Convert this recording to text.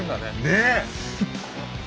ねえ！